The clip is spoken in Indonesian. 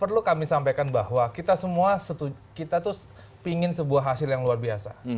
perlu kami sampaikan bahwa kita semua kita tuh pingin sebuah hasil yang luar biasa